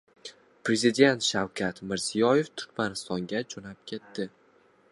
Prezident Shavkat Mirziyoyev Turkmanistonga jo‘nab ketdi